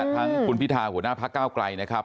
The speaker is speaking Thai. ทั้งคุณพิธาหัวหน้าพระเก้ากลาย